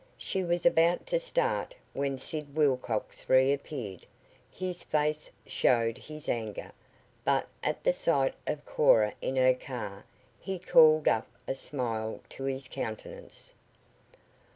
She was about to start when Sid Wilcox reappeared. His face showed his anger, but at the sight of Cora in her car he called up a smile to his countenance.